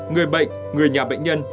một người bệnh người nhà bệnh nhân